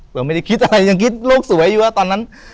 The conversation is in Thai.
เราไม่ได้คิดอะไรยังคิดโลกสวยอยู่ว่าตอนนั้น